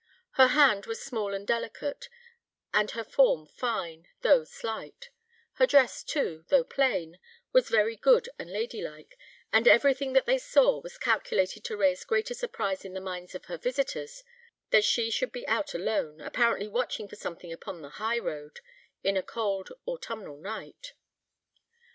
Her hand was small and delicate, and her form fine, though slight; her dress, too, though plain, was very good and ladylike; and everything that they saw was calculated to raise greater surprise in the minds of her visitors that she should be out alone, apparently watching for something upon the high road, in a cold autumnal night.